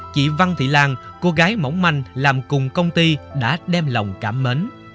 chị văn thị lan cô gái mỏng manh làm cùng công ty đã đem lòng cảm mến